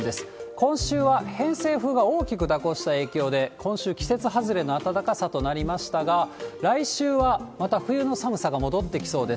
今週は偏西風が大きく蛇行した影響で、今週、季節外れの暖かさとなりましたが、来週はまた冬の寒さが戻ってきそうです。